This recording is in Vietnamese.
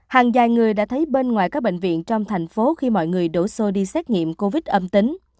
hàng dài người đã thấy bên ngoài các bệnh viện trong thành phố khi mọi người đổ xô đi xét nghiệm covid âm tính